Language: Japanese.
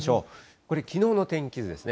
これ、きのうの天気図ですね。